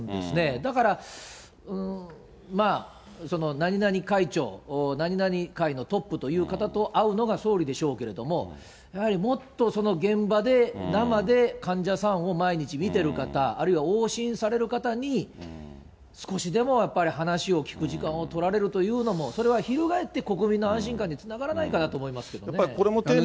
だから、何々会長、何々界のトップという方と会うのが総理でしょうけれども、やはりもっと、その現場で生で患者さんを毎日診てる方、あるいは往診される方に、少しでもやっぱり話を聞く時間を取られるというようなのは、もうそれはひるがえって、国民の安心感につながらないかなと思いますけれどもね。